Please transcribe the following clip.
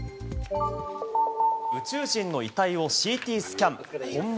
宇宙人の遺体をＣＴスキャン、本物？